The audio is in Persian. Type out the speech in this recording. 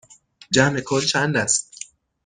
جمع کل چند است؟